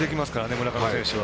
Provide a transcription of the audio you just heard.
村上選手は。